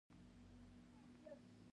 دوی د نجونو د زدهکړو خبره نه کوي.